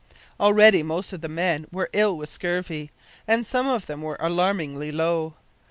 Already most of the men were ill with scurvy, and some of them were alarmingly low.